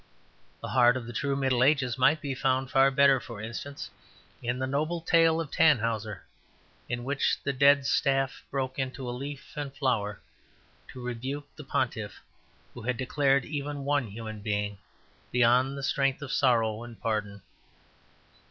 The heart of the true Middle Ages might be found far better, for instance, in the noble tale of Tannhauser, in which the dead staff broke into leaf and flower to rebuke the pontiff who had declared even one human being beyond the strength of sorrow and pardon.